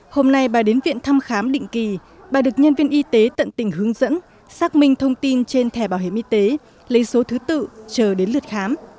hôm nay bà đến viện thăm khám định kỳ bà được nhân viên y tế tận tình hướng dẫn xác minh thông tin trên thẻ bảo hiểm y tế lấy số thứ tự chờ đến lượt khám